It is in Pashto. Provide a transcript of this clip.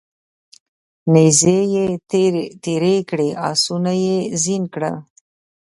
نیزې یې تیرې کړې اسونه یې زین کړل